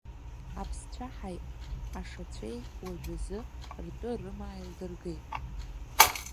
Аԥсцәаҳаи ашацәи уажәазы ртәы-рымаа еилдыргеит.